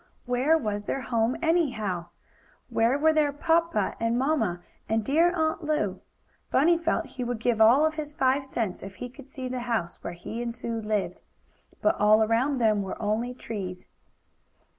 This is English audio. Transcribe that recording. Where was their home, anyhow? Where were their papa and mamma and dear Aunt Lu? Bunny felt he would give all of his five cents if he could see the house where he and Sue lived. But all around them were only trees.